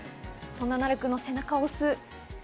そんな、なるくんの背中を押す。